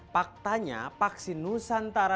faktanya vaksin nusantara